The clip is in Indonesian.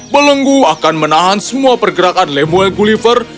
belenggu akan menahan semua pergerakan lemuel gulliver